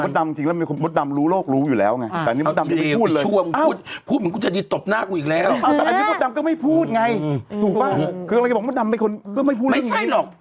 ถูกปะคืออะไรก็บอกว่าดำไปคนก็ไม่พูดเรื่องนี้ไม่ใช่หรอก